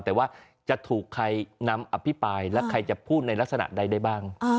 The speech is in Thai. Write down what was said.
แต่ว่าจะถูกใครนำอภิปรายและใครจะพูดในลักษณะใดได้บ้าง